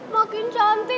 cantik banget cantik